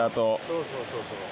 そうそうそうそう。